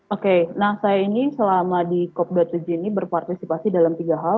oke nah saya ini selama di cop dua puluh tujuh ini berpartisipasi dalam tiga hal